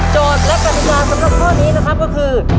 และกฎิกาสำหรับข้อนี้นะครับก็คือ